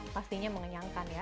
pastinya mengenyangkan ya